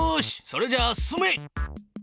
それじゃあ進め！